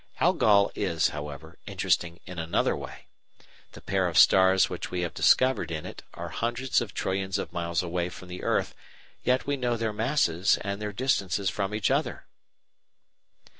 Algol is, however, interesting in another way. The pair of stars which we have discovered in it are hundreds of trillions of miles away from the earth, yet we know their masses and their distances from each other.